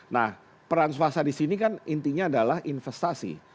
nah peran swasta disini kan intinya adalah investasi